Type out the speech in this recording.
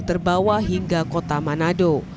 terbawa hingga kota manado